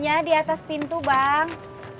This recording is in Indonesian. ya di atas pintu bang